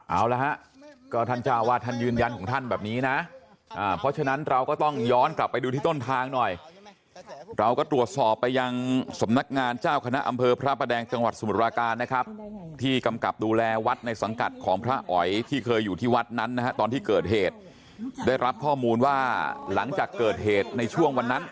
เอาละฮะก็ท่านเจ้าวาดท่านยืนยันของท่านแบบนี้นะเพราะฉะนั้นเราก็ต้องย้อนกลับไปดูที่ต้นทางหน่อยเราก็ตรวจสอบไปยังสำนักงานเจ้าคณะอำเภอพระประแดงจังหวัดสมุทรปราการนะครับที่กำกับดูแลวัดในสังกัดของพระอ๋อยที่เคยอยู่ที่วัดนั้นนะฮะตอนที่เกิดเหตุได้รับข้อมูลว่าหลังจากเกิดเหตุในช่วงวันนั้น